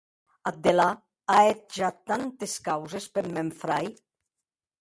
Ath delà, a hèt ja tantes causes peth mèn frair!